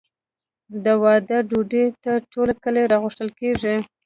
د واده ډوډۍ ته ټول کلی راغوښتل کیږي.